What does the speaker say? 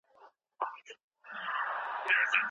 په لاس لیکل د ډیجیټل ستړیا مخه نیسي.